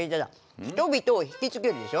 人々を引きつけるでしょ？